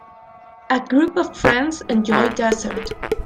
A group of friends enjoy desert.